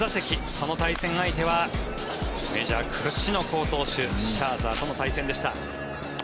その対戦相手はメジャー屈指の好投手シャーザーとの対戦でした。